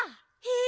え！